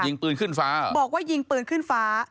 ยิงปืนขึ้นฟ้าบอกว่ายิงปืนขึ้นฟ้า